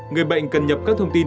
ba người bệnh cần nhập các thông tin